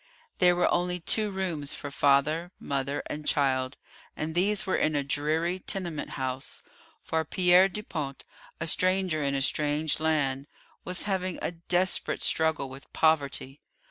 There were only two rooms for father, mother, and child, and these were in a dreary tenement house, for Pierre Dupont, a stranger in a strange land, was having a desperate struggle with poverty.